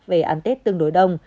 về ăn tết tương đối đông